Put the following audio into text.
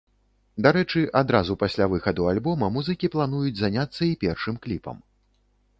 Дарэчы, адразу пасля выхаду альбома музыкі плануюць заняцца і першым кліпам.